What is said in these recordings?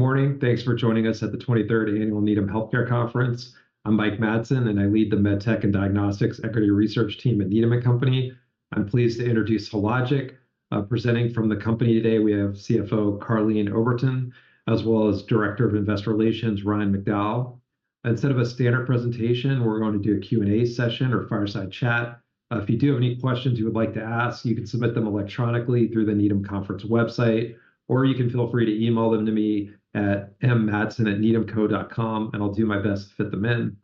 Good morning. Thanks for joining us at the 23rd Annual Needham Healthcare Conference. I'm Mike Matson, and I lead the MedTech and Diagnostics Equity Research Team at Needham & Company. I'm pleased to introduce Hologic. Presenting from the company today, we have CFO Karleen Oberton, as well as Director of Investor Relations Ryan McDowell. Instead of a standard presentation, we're going to do a Q and A session or fireside chat. If you do have any questions you would like to ask, you can submit them electronically through the Needham Conference website, or you can feel free to email them to me at mmatson@needhamco.com, and I'll do my best to fit them in.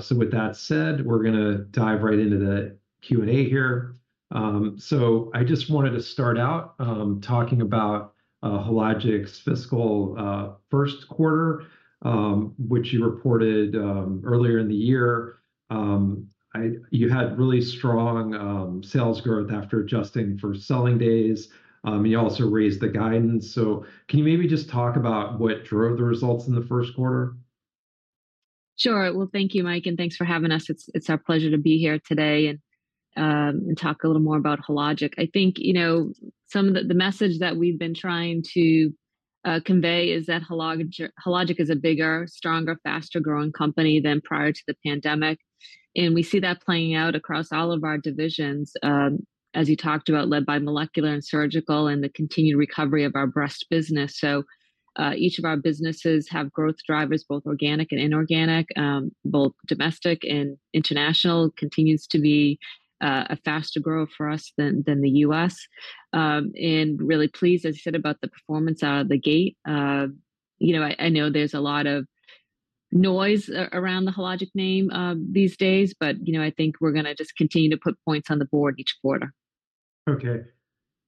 So with that said, we're gonna dive right into the Q and A here. So I just wanted to start out talking about Hologic's fiscal first quarter, which you reported earlier in the year. You had really strong sales growth after adjusting for selling days, and you also raised the guidance. So can you maybe just talk about what drove the results in the first quarter? Sure. Well, thank you, Mike, and thanks for having us. It's our pleasure to be here today and talk a little more about Hologic. I think some of the message that we've been trying to convey is that Hologic is a bigger, stronger, faster-growing company than prior to the pandemic. And we see that playing out across all of our divisions, as you talked about, led by molecular and surgical and the continued recovery of our breast business. So each of our businesses have growth drivers, both organic and inorganic, both domestic and international, continues to be a faster growth for us than the US. And really pleased, as you said, about the performance out of the gate. I know there's a lot of noise around the Hologic name these days, but I think we're gonna just continue to put points on the board each quarter. Okay.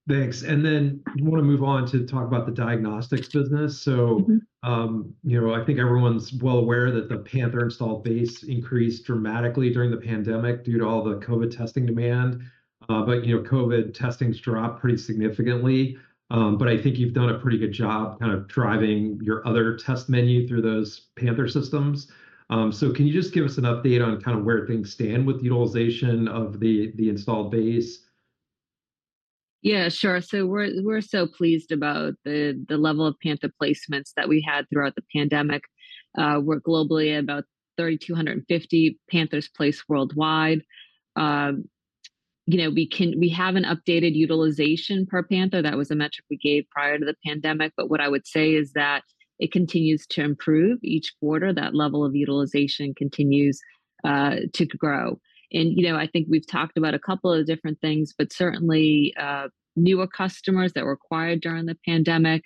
Thanks. And then I wanna move on to talk about the diagnostics business. So I think everyone's well aware that the Panther installed base increased dramatically during the pandemic due to all the COVID testing demand. But COVID testing dropped pretty significantly. But I think you've done a pretty good job kind of driving your other test menu through those Panther Systems. So can you just give us an update on kind of where things stand with the utilization of the installed base? Yeah, sure. So we're so pleased about the level of Panther placements that we had throughout the pandemic. We're globally at about 3,250 Panthers placed worldwide. We have an updated utilization per Panther. That was a metric we gave prior to the pandemic. But what I would say is that it continues to improve each quarter. That level of utilization continues to grow. And I think we've talked about a couple of different things, but certainly newer customers that were acquired during the pandemic,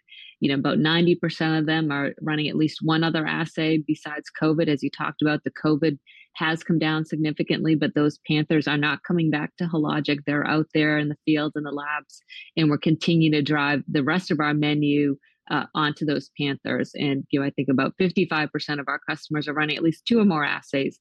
about 90% of them are running at least one other assay besides COVID. As you talked about, the COVID has come down significantly, but those Panthers are not coming back to Hologic. They're out there in the fields in the labs, and we're continuing to drive the rest of our menu onto those Panthers. I think about 55% of our customers are running at least two or more assays.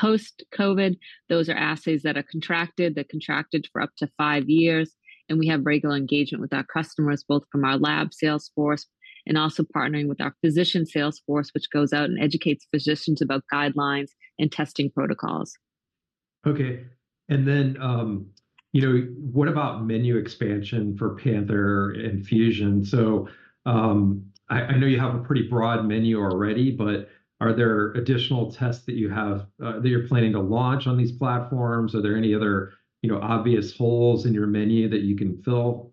Now when we kind of got post-COVID, those are assays that are contracted that contracted for up to five years. We have regular engagement with our customers, both from our lab sales force and also partnering with our physician Sales force, which goes out and educates physicians about guidelines and testing protocols. Okay. And then what about menu expansion for Panther and Fusion? So I know you have a pretty broad menu already, but are there additional tests that you have that you're planning to launch on these platforms? Are there any other obvious holes in your menu that you can fill?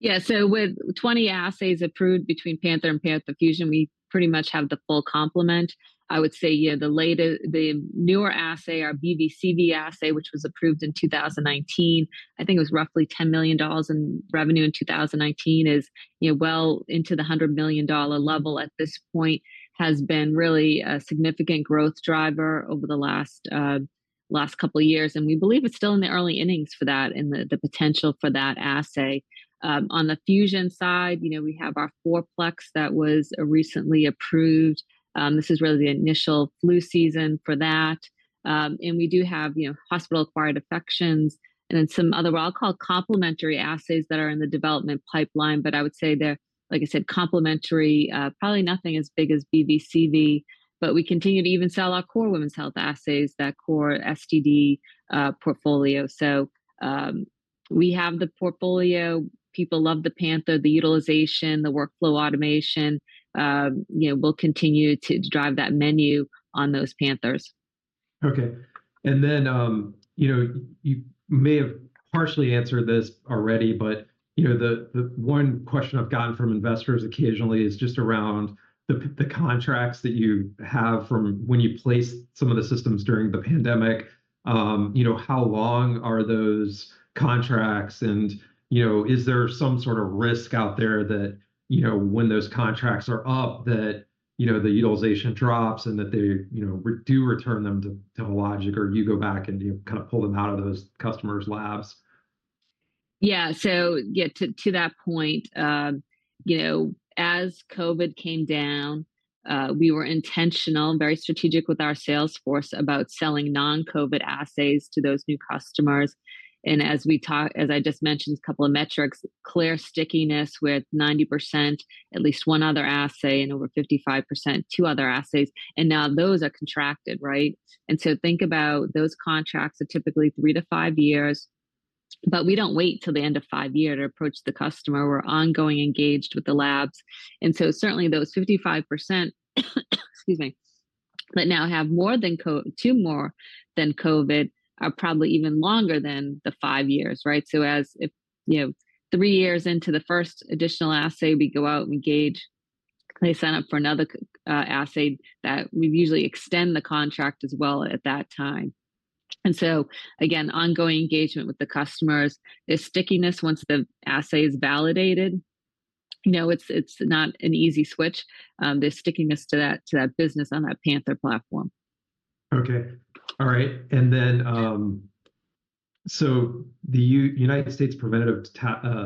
Yeah. So with 20 assays approved between Panther and Panther Fusion, we pretty much have the full complement. I would say the newer assay, our BV/CV assay, which was approved in 2019, I think it was roughly $10 million in revenue in 2019, is well into the $100 million level at this point, has been really a significant growth driver over the last couple of years. And we believe it's still in the early innings for that and the potential for that assay. On the Fusion side, we have our 4-plex that was recently approved. This is really the initial flu season for that. And we do have hospital-acquired infections and then some other what I'll call complementary assays that are in the development pipeline. But I would say they're, like I said, complementary, probably nothing as big as BV/CV. We continue to even sell our core women's health assays, that core STD portfolio. We have the portfolio. People love the Panther, the utilization, the workflow automation. We'll continue to drive that menu on those Panthers. Okay. And then you may have partially answered this already, but the one question I've gotten from investors occasionally is just around the contracts that you have from when you place some of the systems during the pandemic. How long are those contracts? And is there some sort of risk out there that when those contracts are up, that the utilization drops and that they do return them to Hologic or you go back and kind of pull them out of those customers' labs? Yeah. So yeah, to that point, as COVID came down, we were intentional, very strategic with our sales force about selling non-COVID assays to those new customers. And as I just mentioned, a couple of metrics, clear stickiness with 90%, at least one other assay, and over 55%, two other assays. And now those are contracted, right? And so think about those contracts are typically three to five years. But we don't wait till the end of five years to approach the customer. We're ongoing engaged with the labs. And so certainly those 55%, excuse me, that now have more than two more than COVID are probably even longer than the five years, right? So if three years into the first additional assay, we go out and engage, they sign up for another assay, we usually extend the contract as well at that time. Again, ongoing engagement with the customers, the stickiness once the assay is validated, it's not an easy switch. There's stickiness to that business on that Panther platform. Okay. All right. And then so the United States Preventive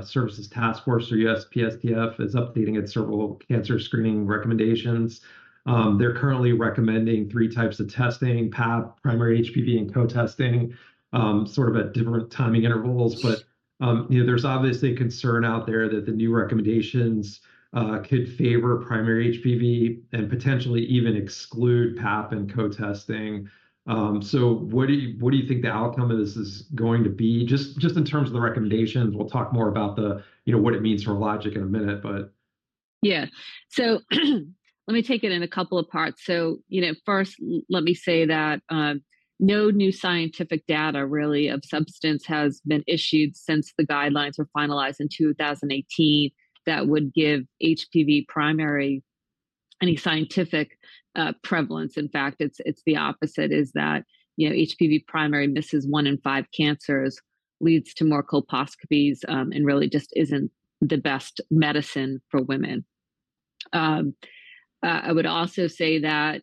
Services Task Force, or USPSTF, is updating its several cancer screening recommendations. They're currently recommending three types of testing: Pap, primary HPV, and co-testing, sort of at different timing intervals. But there's obviously concern out there that the new recommendations could favor primary HPV and potentially even exclude Pap and co-testing. So what do you think the outcome of this is going to be? Just in terms of the recommendations, we'll talk more about what it means for Hologic in a minute, but. Yeah. So let me take it in a couple of parts. So first, let me say that no new scientific data, really, of substance has been issued since the guidelines were finalized in 2018 that would give HPV primary any scientific prevalence. In fact, it's the opposite, is that HPV primary misses one in five cancers, leads to more colposcopies, and really just isn't the best medicine for women. I would also say that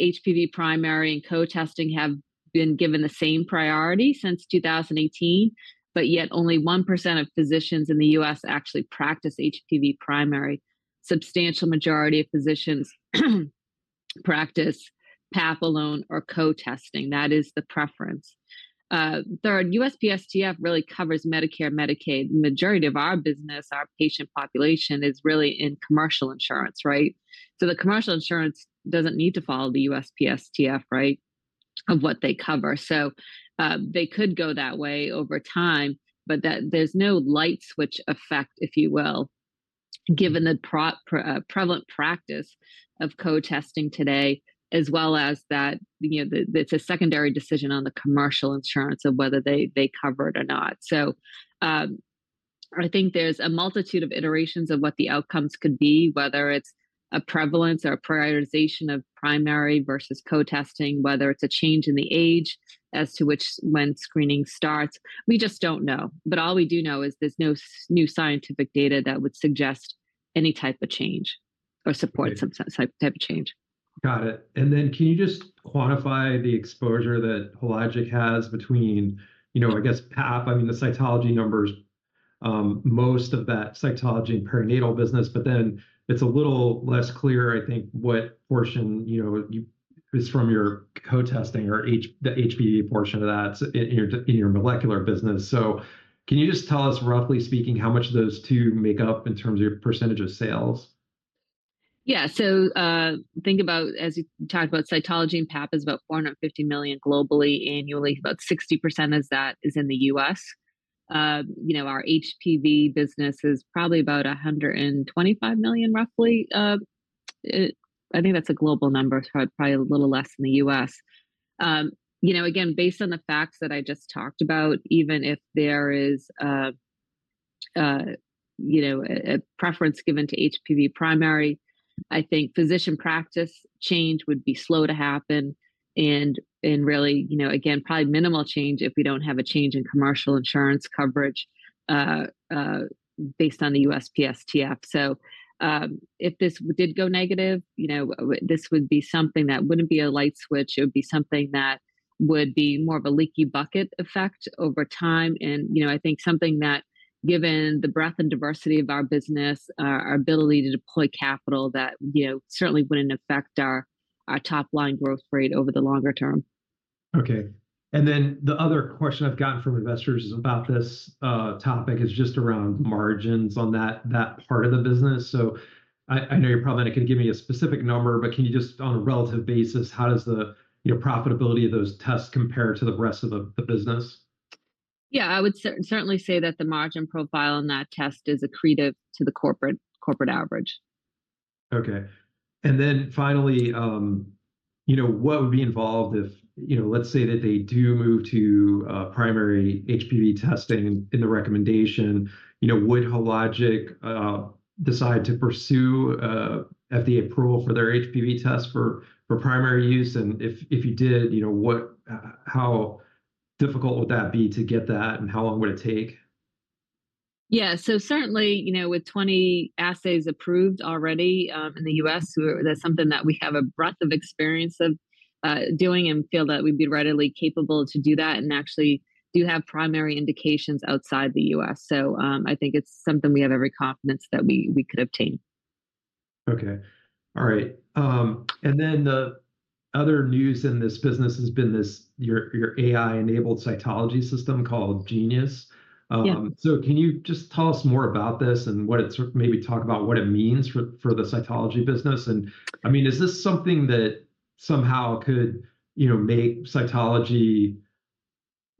HPV primary and co-testing have been given the same priority since 2018, but yet only 1% of physicians in the U.S. actually practice HPV primary. A substantial majority of physicians practice Pap alone or co-testing. That is the preference. Third, USPSTF really covers Medicare and Medicaid. The majority of our business, our patient population, is really in commercial insurance, right? So the commercial insurance doesn't need to follow the USPSTF of what they cover. So they could go that way over time, but there's no light switch effect, if you will, given the prevalent practice of co-testing today, as well as that it's a secondary decision on the commercial insurance of whether they cover it or not. So I think there's a multitude of iterations of what the outcomes could be, whether it's a prevalence or a prioritization of primary versus co-testing, whether it's a change in the age as to when screening starts. We just don't know. But all we do know is there's no new scientific data that would suggest any type of change or support some type of change. Got it. And then can you just quantify the exposure that Hologic has between, I guess, Pap? I mean, the cytology numbers, most of that cytology and perinatal business, but then it's a little less clear, I think, what portion is from your co-testing or the HPV portion of that in your molecular business. So can you just tell us, roughly speaking, how much of those two make up in terms of your percentage of sales? Yeah. So think about, as you talked about, cytology and Pap is about $450 million globally annually. About 60% of that is in the U.S. Our HPV business is probably about $125 million, roughly. I think that's a global number, probably a little less in the U.S. Again, based on the facts that I just talked about, even if there is a preference given to HPV primary, I think physician practice change would be slow to happen and really, again, probably minimal change if we don't have a change in commercial insurance coverage based on the USPSTF. So if this did go negative, this would be something that wouldn't be a light switch. It would be something that would be more of a leaky bucket effect over time. I think something that, given the breadth and diversity of our business, our ability to deploy capital, that certainly wouldn't affect our top-line growth rate over the longer term. Okay. And then the other question I've gotten from investors about this topic is just around margins on that part of the business. So I know you're probably not going to give me a specific number, but can you just, on a relative basis, how does the profitability of those tests compare to the rest of the business? Yeah. I would certainly say that the margin profile on that test is accretive to the corporate average. Okay. And then finally, what would be involved if, let's say, that they do move to primary HPV testing in the recommendation? Would Hologic decide to pursue FDA approval for their HPV test for primary use? And if you did, how difficult would that be to get that, and how long would it take? Yeah. So certainly with 20 assays approved already in the U.S., that's something that we have a breadth of experience of doing and feel that we'd be readily capable to do that and actually do have primary indications outside the U.S. So I think it's something we have every confidence that we could obtain. Okay. All right. And then the other news in this business has been your AI-enabled cytology system called Genius. So can you just tell us more about this and maybe talk about what it means for the cytology business? And I mean, is this something that somehow could make cytology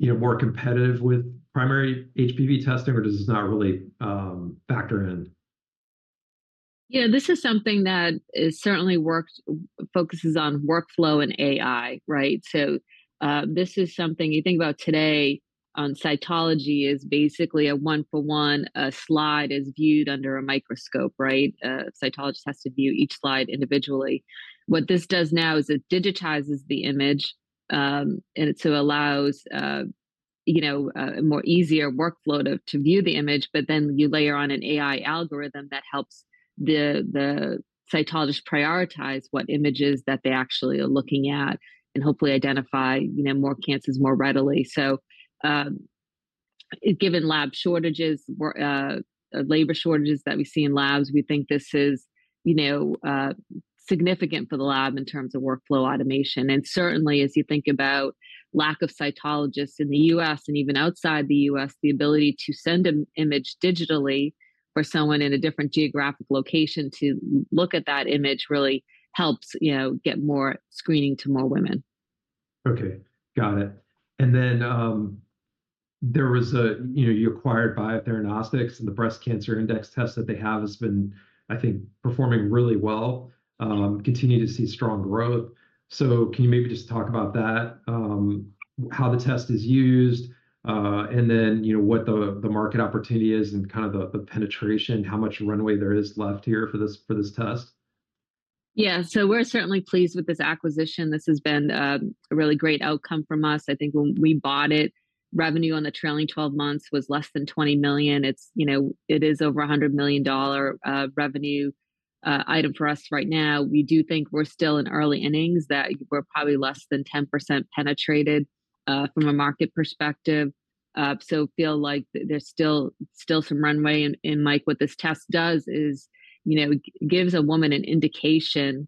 more competitive with primary HPV testing, or does this not really factor in? Yeah. This is something that certainly focuses on workflow and AI, right? So this is something you think about today on cytology is basically a one-for-one, a slide is viewed under a microscope, right? A cytologist has to view each slide individually. What this does now is it digitizes the image, and it so allows a more easier workflow to view the image. But then you layer on an AI algorithm that helps the cytologist prioritize what images that they actually are looking at and hopefully identify more cancers more readily. So given lab shortages, labor shortages that we see in labs, we think this is significant for the lab in terms of workflow automation. Certainly, as you think about lack of cytologists in the U.S. and even outside the U.S., the ability to send an image digitally for someone in a different geographic location to look at that image really helps get more screening to more women. Okay. Got it. And then you acquired Biotheranostics, and the Breast Cancer Index test that they have has been, I think, performing really well, continued to see strong growth. So can you maybe just talk about that, how the test is used, and then what the market opportunity is and kind of the penetration, how much runway there is left here for this test? Yeah. So we're certainly pleased with this acquisition. This has been a really great outcome for us. I think when we bought it, revenue on the trailing 12 months was less than $20 million. It is over $100 million revenue item for us right now. We do think we're still in early innings, that we're probably less than 10% penetrated from a market perspective. So feel like there's still some runway. And Mike, what this test does is gives a woman an indication,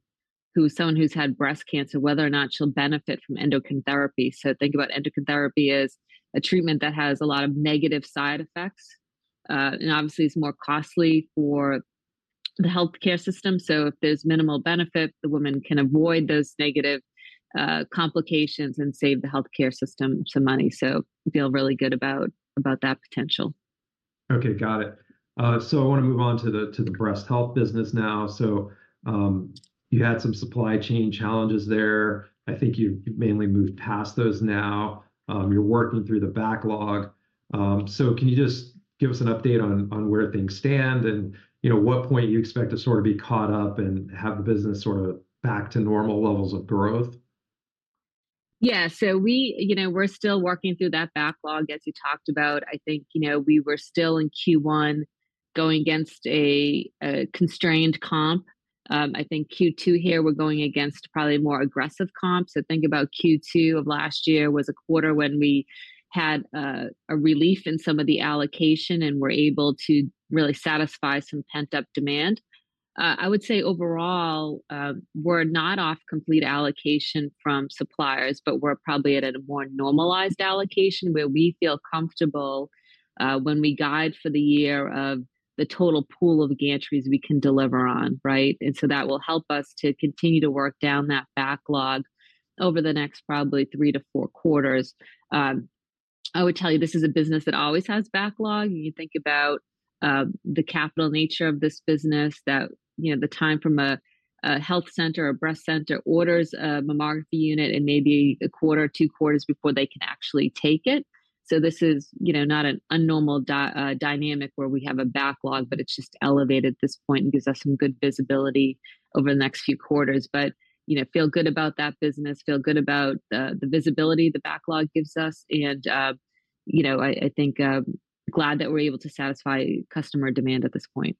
someone who's had breast cancer, whether or not she'll benefit from endocrine therapy. So think about endocrine therapy as a treatment that has a lot of negative side effects. And obviously, it's more costly for the healthcare system. So if there's minimal benefit, the woman can avoid those negative complications and save the healthcare system some money. So feel really good about that potential. Okay. Got it. So I want to move on to the breast health business now. So you had some supply chain challenges there. I think you've mainly moved past those now. You're working through the backlog. So can you just give us an update on where things stand and what point you expect to sort of be caught up and have the business sort of back to normal levels of growth? Yeah. So we're still working through that backlog, as you talked about. I think we were still in Q1 going against a constrained comp. I think Q2 here, we're going against probably more aggressive comps. So think about Q2 of last year was a quarter when we had a relief in some of the allocation and were able to really satisfy some pent-up demand. I would say overall, we're not off complete allocation from suppliers, but we're probably at a more normalized allocation where we feel comfortable when we guide for the year of the total pool of gantries we can deliver on, right? And so that will help us to continue to work down that backlog over the next probably three to four quarters. I would tell you this is a business that always has backlog. You think about the capital nature of this business, that the time from a health center, a breast center, orders a mammography unit and maybe a quarter, two quarters before they can actually take it. So this is not an abnormal dynamic where we have a backlog, but it's just elevated at this point and gives us some good visibility over the next few quarters. But feel good about that business, feel good about the visibility the backlog gives us. And I think glad that we're able to satisfy customer demand at this point.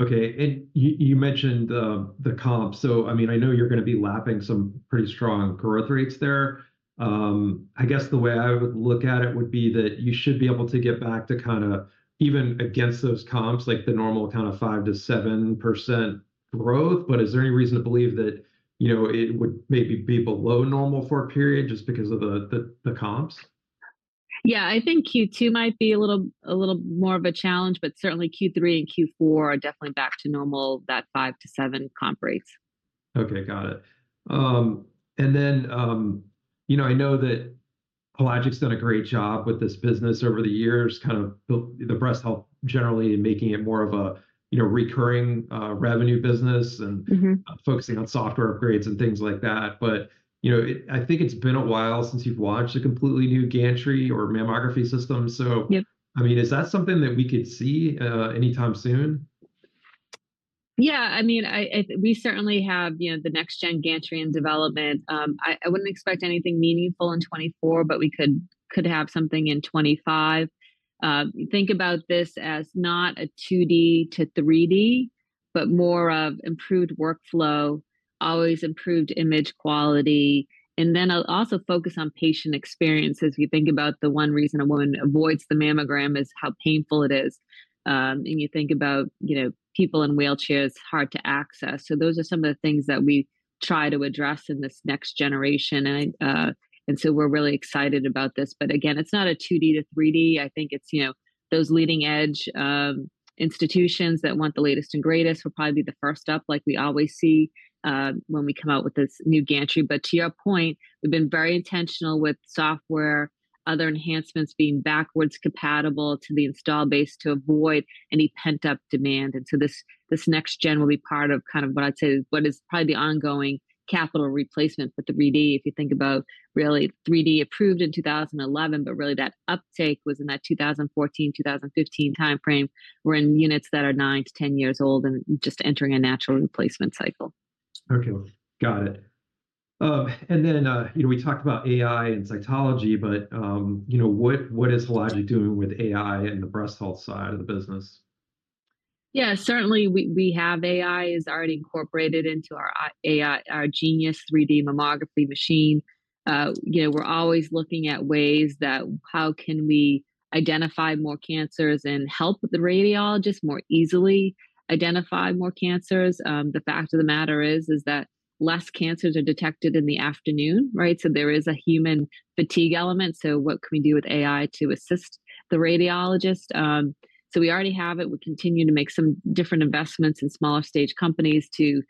Okay. And you mentioned the comps. So I mean, I know you're going to be lapping some pretty strong growth rates there. I guess the way I would look at it would be that you should be able to get back to kind of even against those comps, like the normal kind of 5%-7% growth. But is there any reason to believe that it would maybe be below normal for a period just because of the comps? Yeah. I think Q2 might be a little more of a challenge, but certainly Q3 and Q4 are definitely back to normal, that 5-7 comp rates. Okay. Got it. And then I know that Hologic's done a great job with this business over the years, kind of the breast health generally and making it more of a recurring revenue business and focusing on software upgrades and things like that. But I think it's been a while since you've launched a completely new gantry or mammography system. So I mean, is that something that we could see anytime soon? Yeah. I mean, we certainly have the next-gen gantry in development. I wouldn't expect anything meaningful in 2024, but we could have something in 2025. Think about this as not a 2D to 3D, but more of improved workflow, always improved image quality. And then also focus on patient experience. As we think about the one reason a woman avoids the mammogram is how painful it is. And you think about people in wheelchairs, hard to access. So those are some of the things that we try to address in this next generation. And so we're really excited about this. But again, it's not a 2D to 3D. I think it's those leading-edge institutions that want the latest and greatest will probably be the first up, like we always see when we come out with this new gantry. But to your point, we've been very intentional with software, other enhancements being backwards compatible to the install base to avoid any pent-up demand. And so this next gen will be part of kind of what I'd say is what is probably the ongoing capital replacement for 3D, if you think about really 3D approved in 2011, but really that uptake was in that 2014, 2015 timeframe. We're in units that are nine, 10 years old and just entering a natural replacement cycle. Okay. Got it. And then we talked about AI and cytology, but what is Hologic doing with AI and the breast health side of the business? Yeah. Certainly, we have AI is already incorporated into our Genius 3D mammography machine. We're always looking at ways that how can we identify more cancers and help the radiologists more easily identify more cancers. The fact of the matter is that less cancers are detected in the afternoon, right? So there is a human fatigue element. So what can we do with AI to assist the radiologist? So we already have it. We continue to make some different investments in smaller stage companies to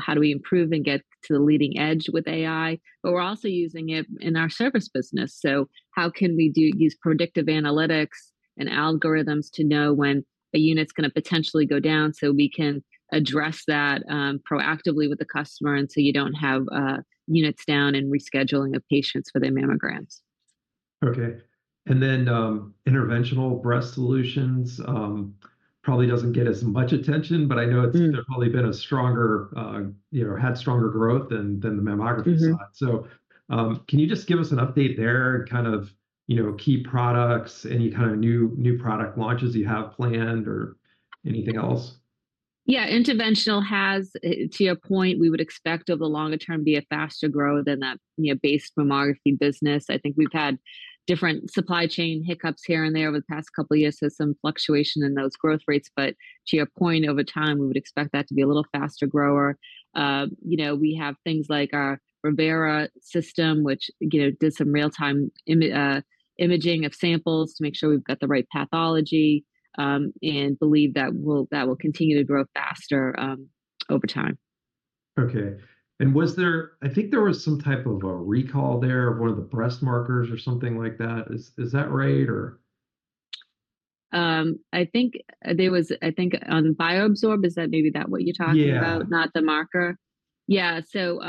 how do we improve and get to the leading edge with AI? But we're also using it in our service business. So how can we use predictive analytics and algorithms to know when a unit's going to potentially go down so we can address that proactively with the customer and so you don't have units down and rescheduling of patients for their mammograms? Okay. And then interventional breast solutions probably don't get as much attention, but I know they've probably been stronger, had stronger growth than the mammography side. So can you just give us an update there and kind of key products, any kind of new product launches you have planned or anything else? Yeah. Interventional has, to your point, we would expect over the longer term to be a faster growth than that base mammography business. I think we've had different supply chain hiccups here and there over the past couple of years with some fluctuation in those growth rates. But to your point, over time, we would expect that to be a little faster grower. We have things like our Brevera system, which did some real-time imaging of samples to make sure we've got the right pathology and believe that will continue to grow faster over time. Okay. I think there was some type of a recall there of one of the breast markers or something like that. Is that right, or? I think there was, I think, on BioZorb. Is that maybe what you're talking about, not the marker? Yeah. Yeah. So,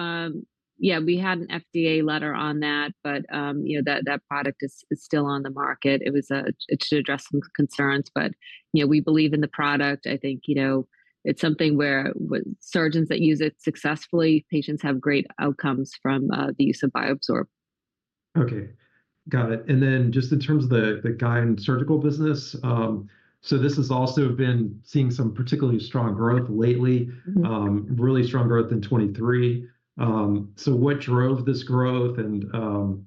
yeah, we had an FDA letter on that, but that product is still on the market. It's to address some concerns, but we believe in the product. I think it's something where surgeons that use it successfully, patients have great outcomes from the use of BioZorb. Okay. Got it. And then just in terms of the GYN and surgical business, so this has also been seeing some particularly strong growth lately, really strong growth in 2023. So what drove this growth? And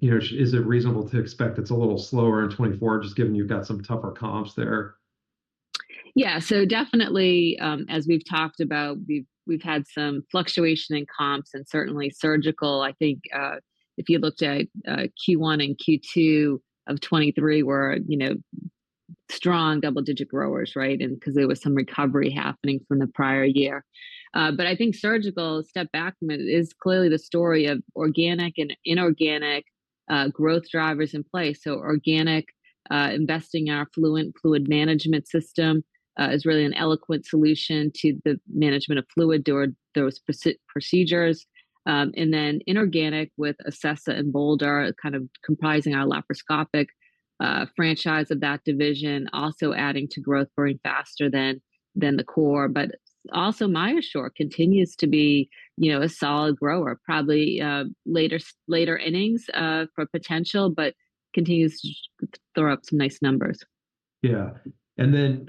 is it reasonable to expect it's a little slower in 2024, just given you've got some tougher comps there? Yeah. So definitely, as we've talked about, we've had some fluctuation in comps. And certainly surgical, I think if you looked at Q1 and Q2 of 2023, we're strong double-digit growers, right, because there was some recovery happening from the prior year. But I think surgical, step back from it, is clearly the story of organic and inorganic growth drivers in place. So organic, investing in our Fluent fluid management system is really an eloquent solution to the management of fluid through those procedures. And then inorganic with Acessa and Boulder, kind of comprising our laparoscopic franchise of that division, also adding to growth, growing faster than the core. But also MyoSure continues to be a solid grower, probably later innings for potential, but continues to throw up some nice numbers. Yeah. And then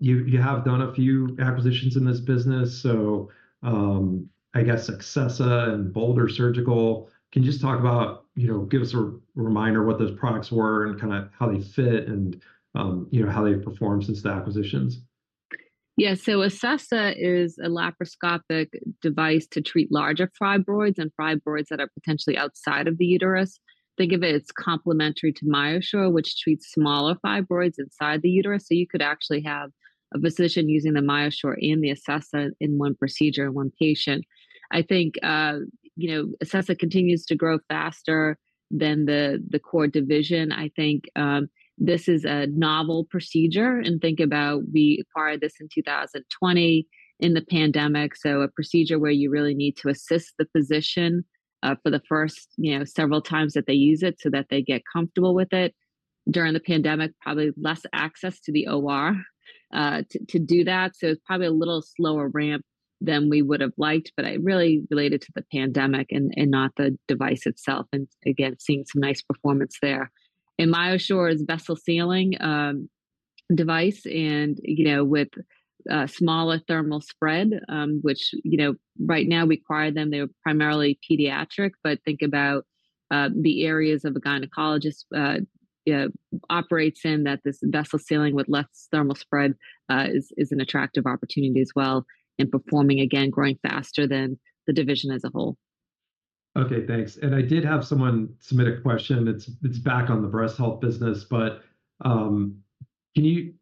you have done a few acquisitions in this business. So I guess Acessa and Boulder Surgical, can you just talk about give us a reminder what those products were and kind of how they fit and how they've performed since the acquisitions? Yeah. So Acessa is a laparoscopic device to treat larger fibroids and fibroids that are potentially outside of the uterus. Think of it as complementary to MyoSure, which treats smaller fibroids inside the uterus. So you could actually have a physician using the MyoSure and the Acessa in one procedure, one patient. I think Acessa continues to grow faster than the core division. I think this is a novel procedure. And think about we acquired this in 2020 in the pandemic, so a procedure where you really need to assist the physician for the first several times that they use it so that they get comfortable with it. During the pandemic, probably less access to the OR to do that. So it's probably a little slower ramp than we would have liked, but really related to the pandemic and not the device itself. And again, seeing some nice performance there. MyoSure is a vessel sealing device with smaller thermal spread, which right now we acquired them. They were primarily pediatric, but think about the areas of a gynecologist operates in that this vessel sealing with less thermal spread is an attractive opportunity as well in performing, again, growing faster than the division as a whole. Okay. Thanks. I did have someone submit a question. It's back on the breast health business. But do you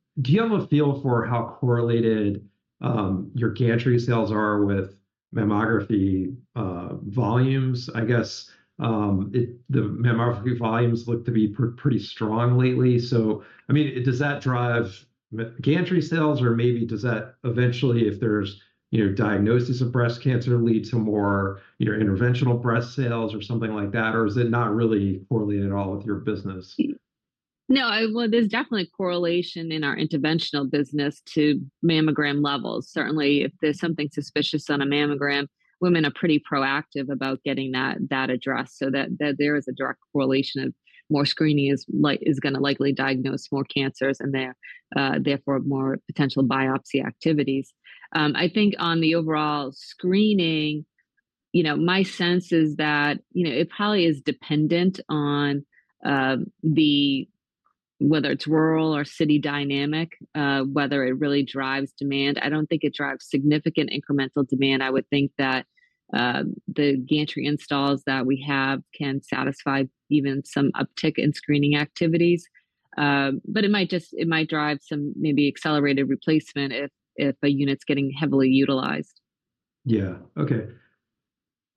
have a feel for how correlated your gantry sales are with mammography volumes? I guess the mammography volumes look to be pretty strong lately. So I mean, does that drive gantry sales, or maybe does that eventually, if there's diagnosis of breast cancer, lead to more interventional breast sales or something like that? Or is it not really correlated at all with your business? No. Well, there's definitely correlation in our interventional business to mammogram levels. Certainly, if there's something suspicious on a mammogram, women are pretty proactive about getting that addressed so that there is a direct correlation of more screening is going to likely diagnose more cancers and therefore more potential biopsy activities. I think on the overall screening, my sense is that it probably is dependent on whether it's rural or city dynamic, whether it really drives demand. I don't think it drives significant incremental demand. I would think that the gantry installs that we have can satisfy even some uptick in screening activities. But it might drive some maybe accelerated replacement if a unit's getting heavily utilized. Yeah. Okay.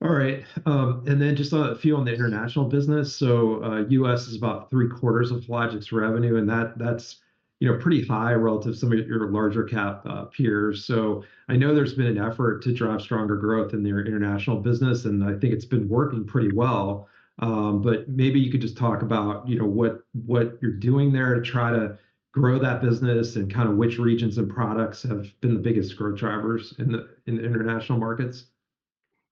All right. Then just a few on the international business. So U.S. is about three-quarters of Hologic's revenue, and that's pretty high relative to some of your larger-cap peers. So I know there's been an effort to drive stronger growth in their international business, and I think it's been working pretty well. But maybe you could just talk about what you're doing there to try to grow that business and kind of which regions and products have been the biggest growth drivers in the international markets?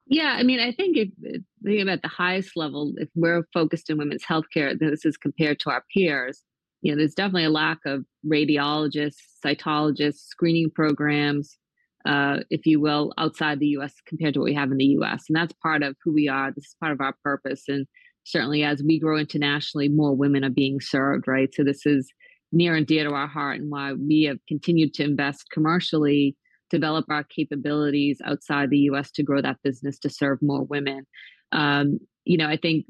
Yeah. I mean, I think thinking about the highest level, if we're focused in women's healthcare, this is compared to our peers. There's definitely a lack of radiologists, cytologists, screening programs, if you will, outside the U.S. compared to what we have in the U.S. That's part of who we are. This is part of our purpose. Certainly, as we grow internationally, more women are being served, right? This is near and dear to our heart and why we have continued to invest commercially, develop our capabilities outside the U.S. to grow that business to serve more women. I think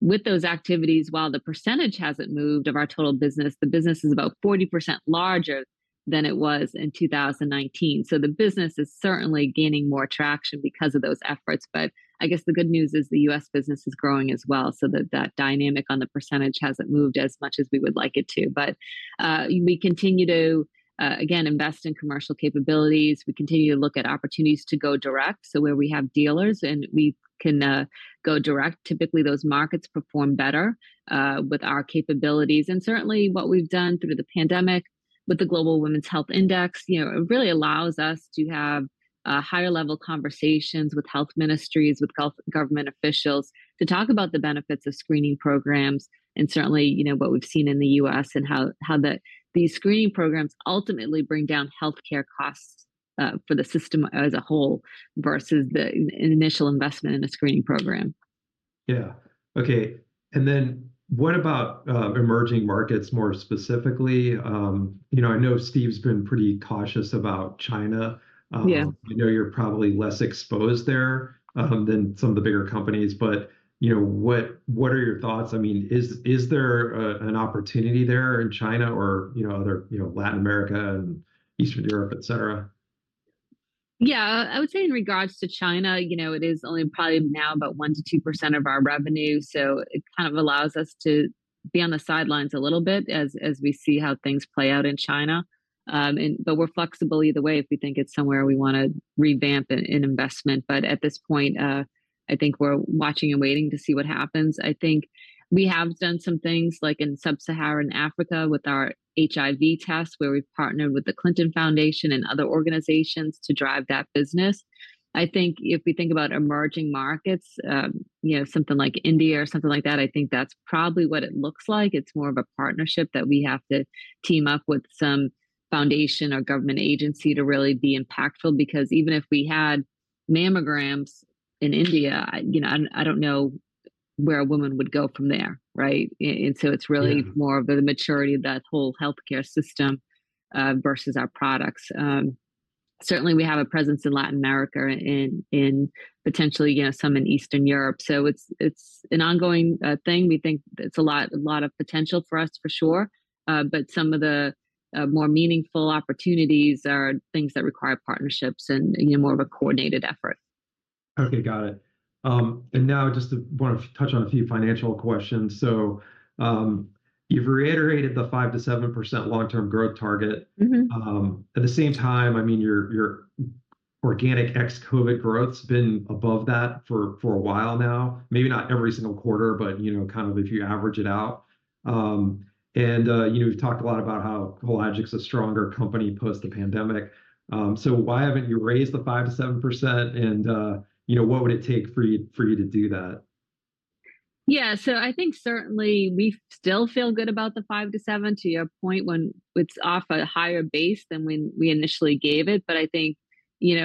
with those activities, while the percentage hasn't moved of our total business, the business is about 40% larger than it was in 2019. The business is certainly gaining more traction because of those efforts. But I guess the good news is the U.S. business is growing as well, so that dynamic on the percentage hasn't moved as much as we would like it to. But we continue to, again, invest in commercial capabilities. We continue to look at opportunities to go direct, so where we have dealers and we can go direct, typically those markets perform better with our capabilities. And certainly, what we've done through the pandemic with the Global Women's Health Index really allows us to have higher-level conversations with health ministries, with government officials to talk about the benefits of screening programs and certainly what we've seen in the U.S. and how these screening programs ultimately bring down healthcare costs for the system as a whole versus the initial investment in a screening program. Yeah. Okay. And then what about emerging markets more specifically? I know Steve's been pretty cautious about China. I know you're probably less exposed there than some of the bigger companies. But what are your thoughts? I mean, is there an opportunity there in China or other Latin America and Eastern Europe, etc.? Yeah. I would say in regards to China, it is only probably now about 1%-2% of our revenue. So it kind of allows us to be on the sidelines a little bit as we see how things play out in China. But we're flexible either way if we think it's somewhere we want to revamp an investment. But at this point, I think we're watching and waiting to see what happens. I think we have done some things like in Sub-Saharan Africa with our HIV test where we've partnered with the Clinton Foundation and other organizations to drive that business. I think if we think about emerging markets, something like India or something like that, I think that's probably what it looks like. It's more of a partnership that we have to team up with some foundation or government agency to really be impactful. Because even if we had mammograms in India, I don't know where a woman would go from there, right? And so it's really more of the maturity of that whole healthcare system versus our products. Certainly, we have a presence in Latin America and potentially some in Eastern Europe. So it's an ongoing thing. We think it's a lot of potential for us, for sure. But some of the more meaningful opportunities are things that require partnerships and more of a coordinated effort. Okay. Got it. And now just want to touch on a few financial questions. So you've reiterated the 5%-7% long-term growth target. At the same time, I mean, your organic ex-COVID growth's been above that for a while now, maybe not every single quarter, but kind of if you average it out. And we've talked a lot about how Hologic's a stronger company post the pandemic. So why haven't you raised the 5%-7%, and what would it take for you to do that? Yeah. So I think certainly we still feel good about the 5%-7% to your point when it's off a higher base than when we initially gave it. But I think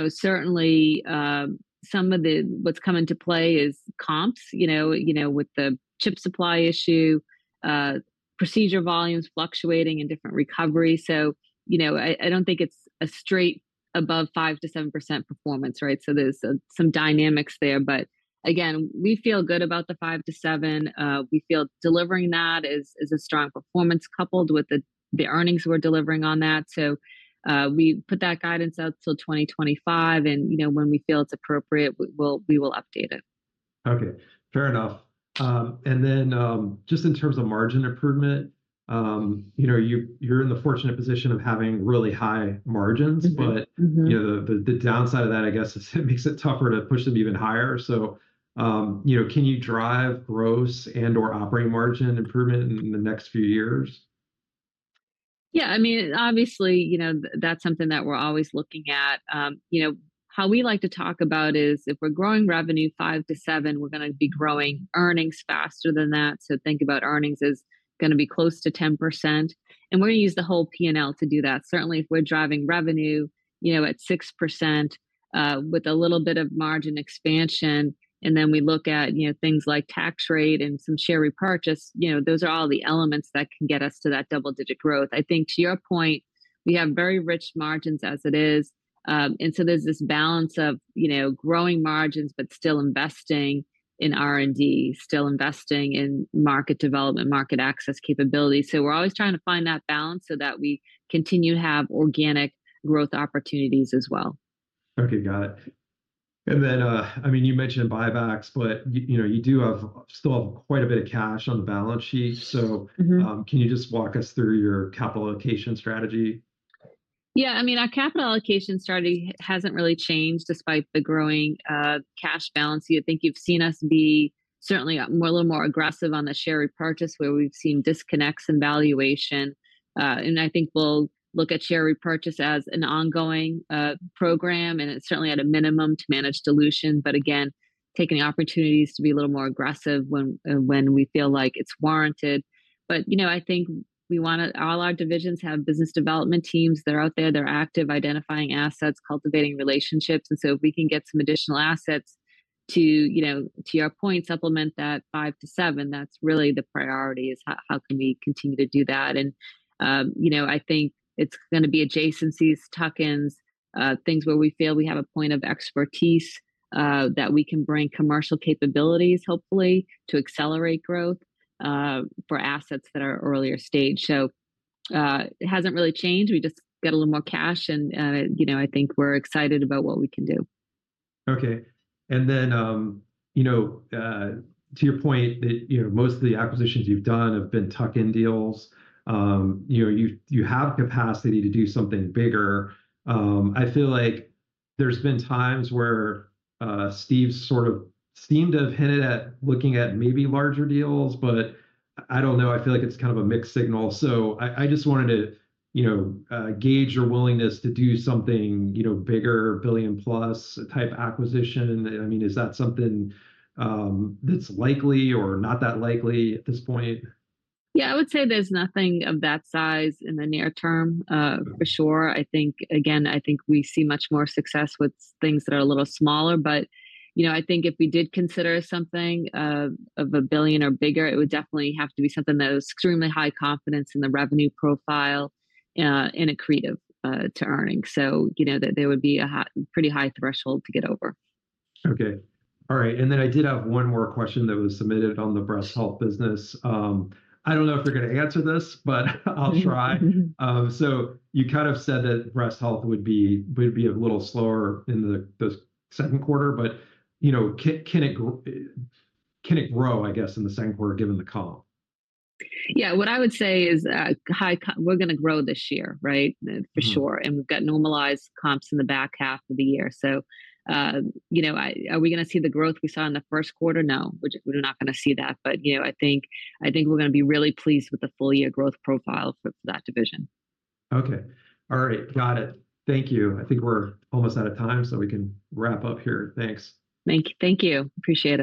certainly some of what's come into play is comps with the chip supply issue, procedure volumes fluctuating in different recovery. So I don't think it's a straight above 5%-7% performance, right? So there's some dynamics there. But again, we feel good about the 5%-7%. We feel delivering that is a strong performance coupled with the earnings we're delivering on that. So we put that guidance out till 2025, and when we feel it's appropriate, we will update it. Okay. Fair enough. And then just in terms of margin improvement, you're in the fortunate position of having really high margins. But the downside of that, I guess, is it makes it tougher to push them even higher. So can you drive gross and/or operating margin improvement in the next few years? Yeah. I mean, obviously, that's something that we're always looking at. How we like to talk about is if we're growing revenue 5%-7%, we're going to be growing earnings faster than that. So think about earnings as going to be close to 10%. And we're going to use the whole P&L to do that. Certainly, if we're driving revenue at 6% with a little bit of margin expansion, and then we look at things like tax rate and some share repurchase, those are all the elements that can get us to that double-digit growth. I think to your point, we have very rich margins as it is. And so there's this balance of growing margins but still investing in R&D, still investing in market development, market access capabilities. So we're always trying to find that balance so that we continue to have organic growth opportunities as well. Okay. Got it. And then, I mean, you mentioned buybacks, but you do still have quite a bit of cash on the balance sheet. So can you just walk us through your capital allocation strategy? Yeah. I mean, our capital allocation strategy hasn't really changed despite the growing cash balance. I think you've seen us be certainly a little more aggressive on the share repurchase where we've seen disconnects in valuation. I think we'll look at share repurchase as an ongoing program, and it's certainly at a minimum to manage dilution. Again, taking opportunities to be a little more aggressive when we feel like it's warranted. I think we want to all our divisions have business development teams that are out there. They're active identifying assets, cultivating relationships. And so if we can get some additional assets to your point, supplement that 5-7, that's really the priority is how can we continue to do that? I think it's going to be adjacencies, tuck-ins, things where we feel we have a point of expertise that we can bring commercial capabilities, hopefully, to accelerate growth for assets that are earlier stage. It hasn't really changed. We just get a little more cash, and I think we're excited about what we can do. Okay. And then to your point that most of the acquisitions you've done have been tuck-in deals, you have capacity to do something bigger. I feel like there's been times where Steve's sort of seemed to have hinted at looking at maybe larger deals, but I don't know. I feel like it's kind of a mixed signal. So I just wanted to gauge your willingness to do something bigger, billion-plus type acquisition. I mean, is that something that's likely or not that likely at this point? Yeah. I would say there's nothing of that size in the near term, for sure. Again, I think we see much more success with things that are a little smaller. But I think if we did consider something of $1 billion or bigger, it would definitely have to be something that has extremely high confidence in the revenue profile and a creative to earning. So there would be a pretty high threshold to get over. Okay. All right. And then I did have one more question that was submitted on the breast health business. I don't know if you're going to answer this, but I'll try. So you kind of said that breast health would be a little slower in the second quarter. But can it grow, I guess, in the second quarter given the comp? Yeah. What I would say is we're going to grow this year, right, for sure. And we've got normalized comps in the back half of the year. So are we going to see the growth we saw in the first quarter? No, we're not going to see that. But I think we're going to be really pleased with the full-year growth profile for that division. Okay. All right. Got it. Thank you. I think we're almost out of time, so we can wrap up here. Thanks. Thank you. Appreciate it.